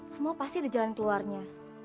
semua pasti ada jalan keluarnya